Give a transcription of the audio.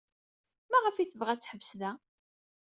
Maɣef ay tebɣa ad teḥbes da?